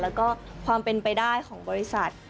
แล้วก็ความเป็นไปได้ของบริษัท